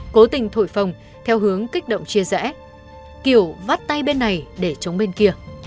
cố tình thổi phòng theo hướng kích động chia rẽ kiểu vắt tay bên này để chống bên kia